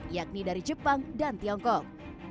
yakni dari jepang dan tiongkok